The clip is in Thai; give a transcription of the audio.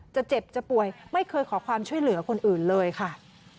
เจ็บจะป่วยไม่เคยขอความช่วยเหลือคนอื่นเลยค่ะ